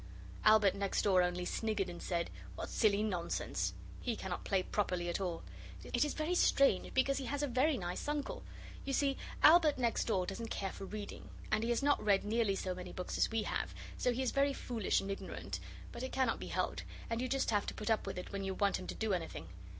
Albert next door only sniggered and said, 'What silly nonsense!' He cannot play properly at all. It is very strange, because he has a very nice uncle. You see, Albert next door doesn't care for reading, and he has not read nearly so many books as we have, so he is very foolish and ignorant, but it cannot be helped, and you just have to put up with it when you want him to do anything.